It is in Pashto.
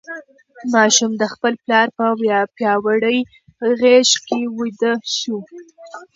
ماشوم د خپل پلار په پیاوړې غېږ کې ویده شو.